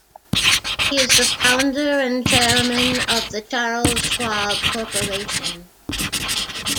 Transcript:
He is the founder and chairman of the Charles Schwab Corporation.